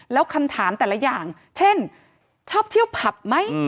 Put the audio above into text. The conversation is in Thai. แล้วคำถามแต่ละอย่างเช่นชอบเที่ยวผับไหม